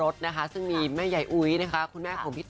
ซึ่งหนูไม่รู้ว่าคืออะไร